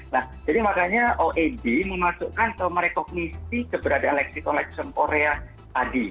nah jadi makanya oed memasukkan atau merekognisi keberadaan lexicollection korea tadi